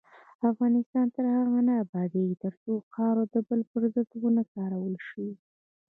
افغانستان تر هغو نه ابادیږي، ترڅو خاوره د بل پر ضد ونه کارول شي.